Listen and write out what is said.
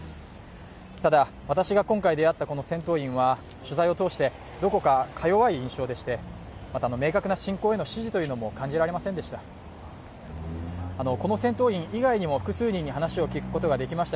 ただ、私が今回であったこの戦闘員は取材を通してどこかか弱い印象でして明確な侵攻への支持というのも感じられませんでした。